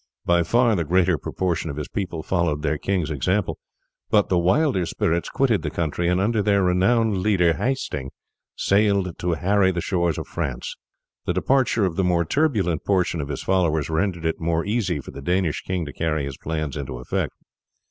By far the greater proportion of his people followed their king's example; but the wilder spirits quitted the country, and under their renowned leader Hasting sailed to harry the shores of France. The departure of the more turbulent portion of his followers rendered it more easy for the Danish king to carry his plans into effect.